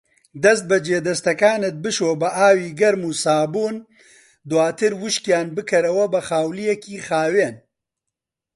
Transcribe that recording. دەستبەجی دەستەکانت بشۆ بە ئاوی گەرم و سابوون، دواتر وشکیان بکەرەوە بە خاولیەکی خاوین.